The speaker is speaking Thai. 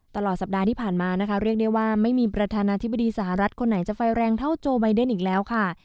ตลอดสัปดาห์ที่ผ่านมานะคะเรียกได้ว่าไม่มีประธานาธิบดีสหรัฐคนไหนจะไฟแรงเท่าโจไบเดนอีกแล้วค่ะ